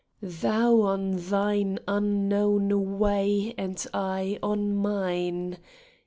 Thou on thine unknown way and I on mine.